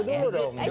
itu dulu dong